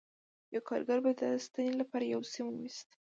یوه کارګر به د ستنې لپاره سیم ویسته